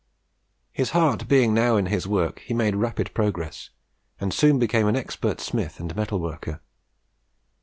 His heart being now in his work, he made rapid progress, and soon became an expert smith and metal worker.